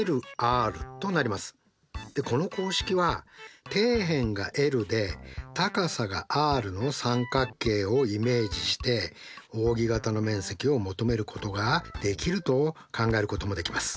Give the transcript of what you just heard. この公式は底辺がｌで高さがｒの三角形をイメージしておうぎ形の面積を求めることができると考えることもできます。